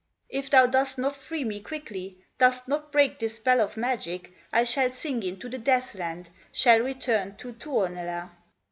If thou dost not free me quickly, Dost not break this spell of magic, I shall sink into the Death land, Shall return to Tuonela."